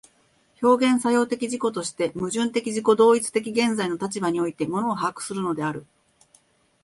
表現作用的自己として、矛盾的自己同一的現在の立場において物を把握するのである。